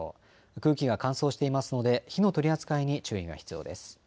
空気が乾燥していますので火の取り扱いに注意が必要です。